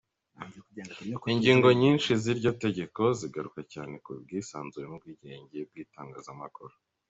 Ingingo nyinshi z’iryo tegeko zigaruka cyane ku bwisanzure n’ubwigenge by’Itangazamakuru.